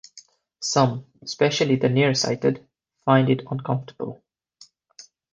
Some, especially the nearsighted, find it uncomfortable.